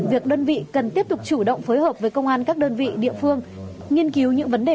việc đơn vị cần tiếp tục chủ động phối hợp với công an các đơn vị địa phương nghiên cứu những vấn đề